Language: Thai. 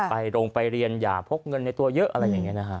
ลงไปเรียนอย่าพกเงินในตัวเยอะอะไรอย่างนี้นะฮะ